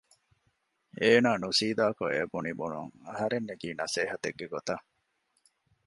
އޭނާ ނުސީދާކޮށް އެ ބުނި ބުނުން އަހަރެން ނެގީ ނަސޭހަތެއްގެ ގޮތަށް